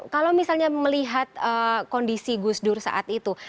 kalau misalnya melihat kondisi gus dur saat itu